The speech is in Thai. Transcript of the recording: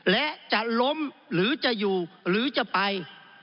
และจะล้มหรือจะอยู่หรือจะไป